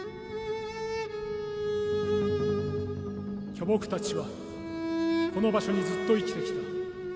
巨木たちはこの場所にずっと生きてきた。